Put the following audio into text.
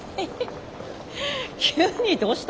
急にどうしたん？